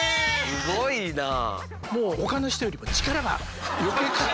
すごいなあ。